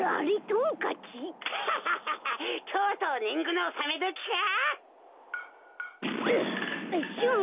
とうとうねんぐのおさめどきか。